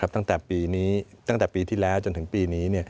ตั้งแต่ปีที่แล้วจนถึงปีนี้